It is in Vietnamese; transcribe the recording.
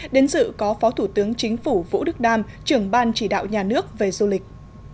đến dự có phó thủ tướng chính phủ vũ đức đam trưởng ban chỉ đạo nhà nước về du lịch